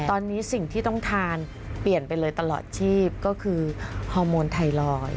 ตอนนี้สิ่งที่ต้องทานเปลี่ยนไปเลยตลอดชีพก็คือฮอร์โมนไทรอยด์